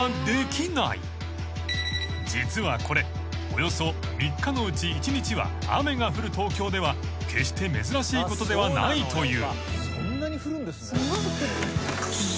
［実はこれおよそ３日のうち１日は雨が降る東京では決して珍しいことではないという］